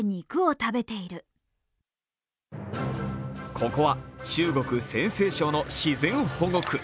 ここは中国・陝西省の自然保護区。